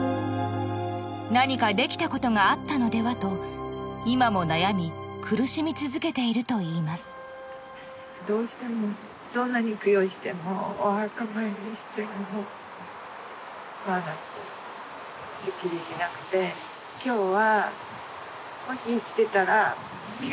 ［何かできたことがあったのではと今も悩み苦しみ続けているといいます］今日は。